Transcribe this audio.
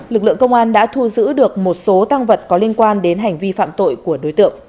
lực lượng công an đã thu giữ được một số tăng vật có liên quan đến hành vi phạm tội của đối tượng